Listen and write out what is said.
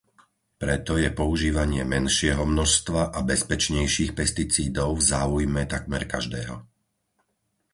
Preto je používanie menšieho množstva a bezpečnejších pesticídov v záujme takmer každého.